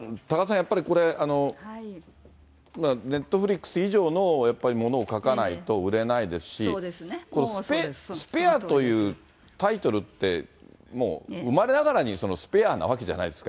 やっぱり、これ、ネットフリックス以上のものを書かないと売れないですし、スペアというタイトルって、もう生まれながらにスペアなわけじゃないですか。